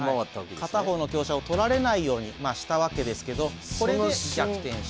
片方の香車を取られないようにしたわけですけどこれで逆転した。